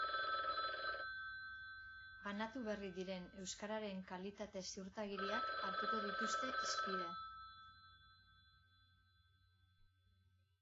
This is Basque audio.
Banatu berri diren euskararen kalitate ziurtagiriak hartuko dituzte hizpide.